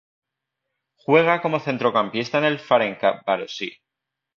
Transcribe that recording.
Juega como centrocampista en el Ferencvárosi.